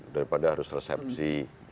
daripada harus resepsi